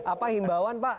apa himbauan pak